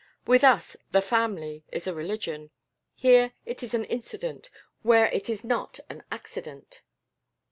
With us The Family is a religion. Here it is an incident where it is not an accident."